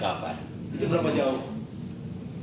kadang kadang dua jam